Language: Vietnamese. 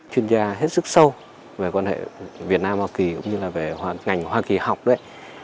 chuyên gia hết sức sâu về quan hệ việt nam hoa kỳ cũng như là về ngành hoa kỳ học đấy